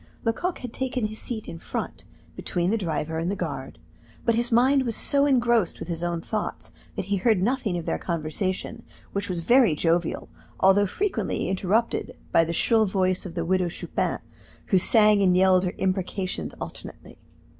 Lecoq had taken his seat in front, between the driver and the guard; but his mind was so engrossed with his own thoughts that he heard nothing of their conversation, which was very jovial, although frequently interrupted by the shrill voice of the Widow Chupin, who sang and yelled her imprecations alternately.